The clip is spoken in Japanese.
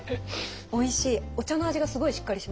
おいしい。